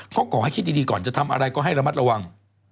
เพราะขอให้คิดดีก่อนจะทำอะไรก็ให้ระมัดระวัง